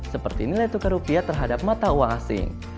seperti nilai tukar rupiah terhadap mata uang asing